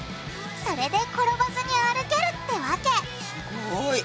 それで転ばずに歩けるってわけすごい！